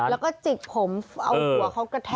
อาจจะบัดจิกผมก็จะต่อกระแทกก็พัน